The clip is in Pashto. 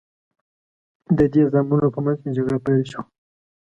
د دې زامنو په منځ کې جګړه پیل شوه.